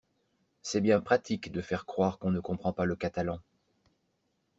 C'est bien pratique de faire croire qu'on ne comprend pas le catalan.